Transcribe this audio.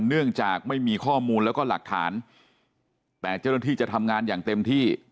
เนื่องจากไม่มีข้อมูลแล้วก็หลักฐานแต่เจ้าหน้าที่จะทำงานอย่างเต็มที่